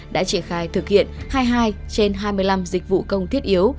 đã triển khai thực hiện hai mươi hai trên hai mươi năm dịch vụ công thiết yếu